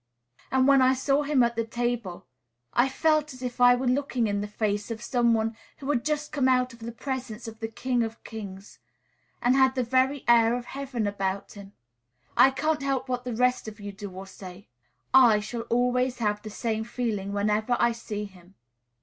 And when I saw him at table, I felt as if I were looking in the face of some one who had just come out of the presence of the King of kings, and had the very air of heaven about him. I can't help what the rest of you do or say; I shall always have the same feeling whenever I see him."